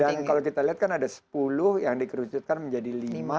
dan kalau kita lihat kan ada sepuluh yang dikerucutkan menjadi lima